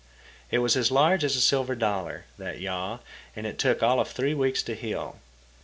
It was as large as a silver dollar, that yaw, and it took all of three weeks to heal.